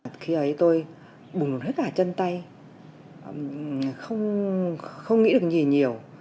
chị không nghĩ được gì nhiều